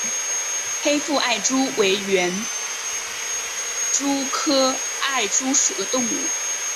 黑腹艾蛛为园蛛科艾蛛属的动物。